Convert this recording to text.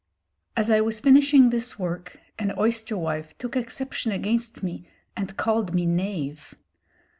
"As I was finishing this worke, an oyster wife tooke exception against me and called me knave."